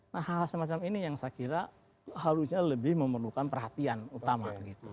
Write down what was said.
nah hal hal semacam ini yang saya kira harusnya lebih memerlukan perhatian utama